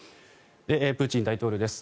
プーチン大統領です。